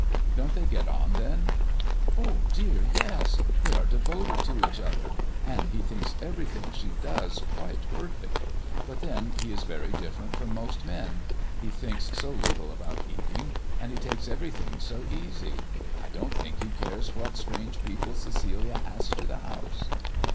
"Don't they get on, then?" "Oh dear, yes; they are devoted to each other, and he thinks everything she does quite perfect. But then he is very different from most men; he thinks so little about eating, and he takes everything so easy; I don't think he cares what strange people Cecilia asks to the house."